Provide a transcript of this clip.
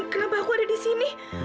kenapa aku ada di sini